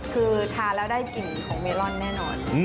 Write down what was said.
คือทานแล้วได้กลิ่นของเมลอนแน่นอน